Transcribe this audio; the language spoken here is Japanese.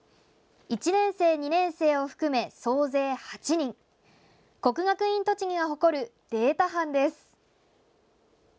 １年生、２年生を含め総勢８人国学院栃木が誇るデータ班です。